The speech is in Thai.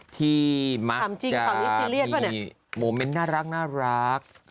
ที่มักจะมีโมเมนต์น่ารัก